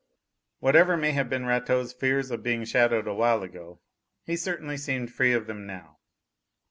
Whatever may have been Rateau's fears of being shadowed awhile ago, he certainly seemed free of them now.